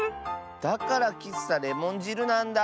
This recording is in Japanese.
だからきっさレモンじるなんだ。